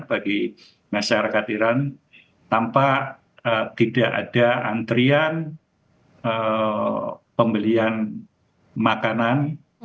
bagi masyarakat iran tanpa tidak ada antrian pembelian makanan